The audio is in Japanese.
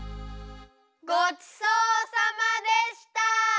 ごちそうさまでした！